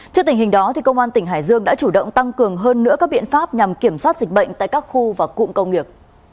trước tình hình đó công an tỉnh hải dương đã chủ động tăng cường hơn nữa các biện pháp nhằm kiểm soát dịch bệnh tại các khu và cụm công nghiệp